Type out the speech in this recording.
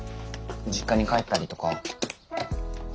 実家に帰ったりとか。